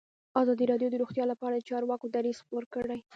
ازادي راډیو د روغتیا لپاره د چارواکو دریځ خپور کړی.